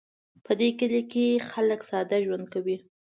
په دې کلي کې خلک ساده ژوند کوي